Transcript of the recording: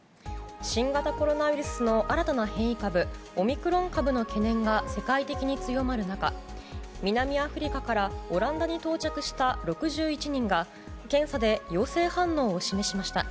新型コロナウイルスの新たな変異株オミクロン株の懸念が世界的に強まる中南アフリカからオランダに到着した６１人が検査で陽性反応を示しました。